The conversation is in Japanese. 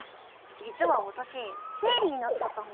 じつはわたし生理になっちゃったの。